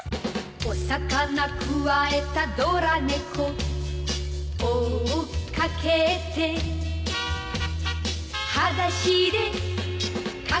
「お魚くわえたドラ猫」「追っかけて」「はだしでかけてく」